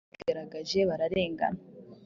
nk’uko abaturage babigaragaje bararengana